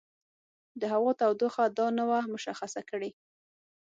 د هوا تودېدو دا نه وه مشخصه کړې.